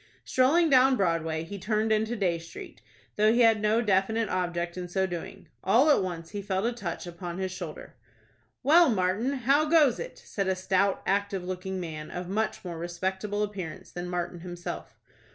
Strolling down Broadway, he turned into Dey Street, though he had no definite object in so doing. All at once he felt a touch upon his shoulder. "Well, Martin, how goes it?" said a stout, active looking man, of much more respectable appearance than Martin himself.